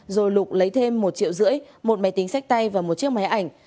rồi lục lấy thêm một triệu rưỡi một máy tính sách tay và một chiếc máy ảnh